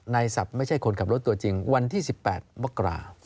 ศัพท์ไม่ใช่คนขับรถตัวจริงวันที่๑๘มกรา